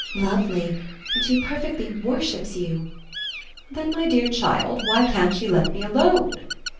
"Lovely and she perfectly worships you." "Then, my dear child, why can't she let me alone?"